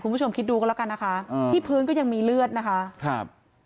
คุณผู้ชมคิดดูกันแล้วกันนะคะอืมที่พื้นก็ยังมีเลือดนะคะครับ